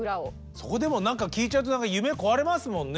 そこでも何か聞いちゃうと夢壊れますもんね。